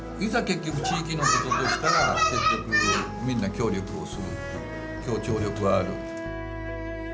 結局地域のこととしたら結局みんな協力をするっていう協調力はある。